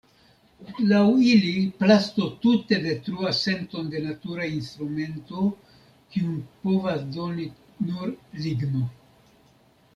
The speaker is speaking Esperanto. Laŭ ili plasto tute detruas senton de natura instrumento, kiun povas doni nur ligno.